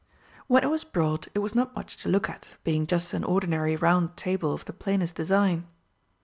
When it was brought it was not much to look at, being just an ordinary round table of the plainest design.